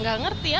gak ngerti ya